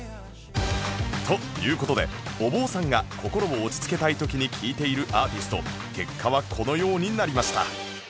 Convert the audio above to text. という事でお坊さんが心を落ち着けたい時に聴いているアーティスト結果はこのようになりました